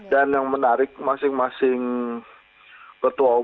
dan yang menarik masing masing ketua umum